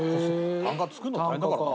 作るの大変だからな。